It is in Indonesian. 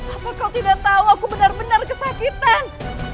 apa kau tidak tahu aku benar benar kesakitan